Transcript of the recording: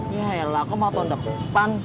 ya ya lah kok mau tahun depan